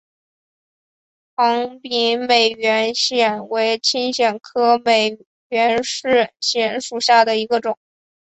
疣柄美喙藓为青藓科美喙藓属下的一个种。